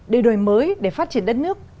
để đổi mới để phát triển đất nước